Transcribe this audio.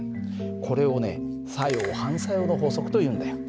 これをね作用・反作用の法則というんだよ。